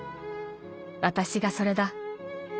私がそれだ。